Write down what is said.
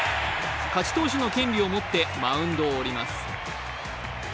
勝ち投手の権利を持ってマウンドを降ります。